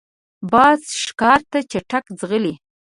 باز ښکار ته چټک ځغلي